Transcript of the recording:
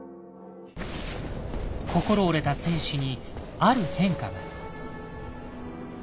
心折れた戦士にある変化が。